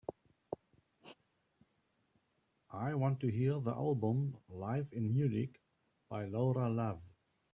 I want to hear the album Live In Munich by Laura Love.